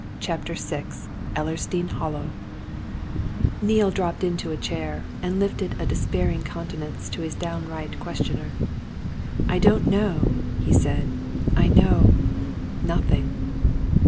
CHAPTER VI ELLERSDEANE HOLLOW Neale dropped into a chair and lifted a despairing countenance to his downright questioner. "I don't know!" he said. "I know nothing!"